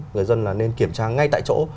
người dân là nên kiểm tra ngay tại chỗ